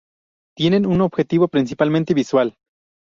Tienen un objetivo principalmente visual.